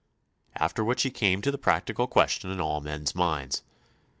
After which he came to the practical question in all men's minds.